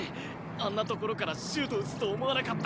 あんな所からシュート撃つと思わなかった！